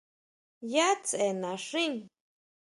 ¿Ya tsʼe naxín?